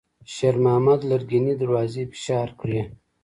شېرمحمد لرګينې دروازې فشار کړې.